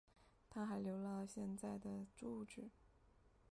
她还留下了现在的住址。